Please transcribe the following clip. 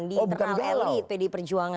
di internal elit pdi perjuangan